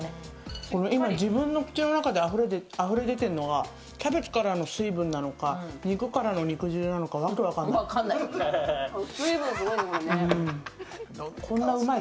今、自分の口の中であふれ出てるのが、キャベツからの水分なのか、肉汁なのか分からない。